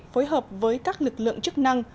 phối hợp với các lực lượng chức năng